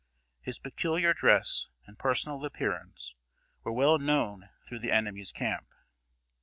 His peculiar dress and personal appearance were well known through the enemy's camp.